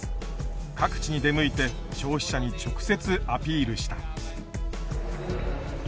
各地に出向いて消費者に直接アピールした。